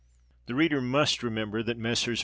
The reader must remember that Messrs.